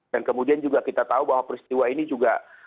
dan kemudian juga kita tahu bahwa peristiwa ini juga